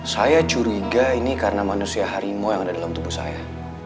saya curiga ini karena manusia harimau yang ada dalam tubuh saya